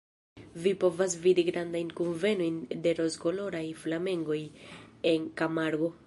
Vi povas vidi grandajn kunvenojn de rozkoloraj flamengoj en Kamargo.